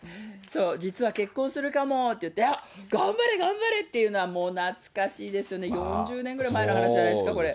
実は結婚するかもって言って、あっ、頑張れ頑張れっていうのは、もう懐かしいですよね、４０年ぐらい前の話じゃないですか、これ。